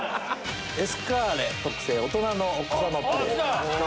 エスカーレ特製大人のお子様プレート。